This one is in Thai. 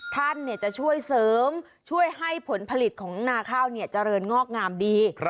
ท่านจะช่วยเสริมช่วยให้ผลผลิตของนาข้าวเจริญงอกงามดี